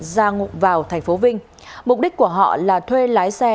ra ngục vào tp vinh mục đích của họ là thuê lái xe